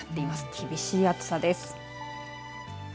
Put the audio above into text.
厳しい暑さです。